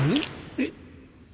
えっ。